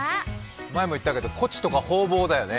前もいったけどコチとかホウボウだよね。